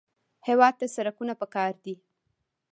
هېواد ته سړکونه پکار دي